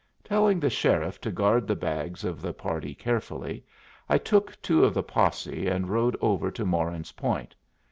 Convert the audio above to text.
Telling the sheriff to guard the bags of the party carefully, I took two of the posse and rode over to Moran's Point.